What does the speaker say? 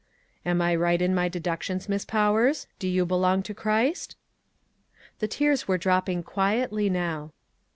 A'm I right in my deductions, Miss Powers? do you be long to Christ?" The tears were dropping quietly now.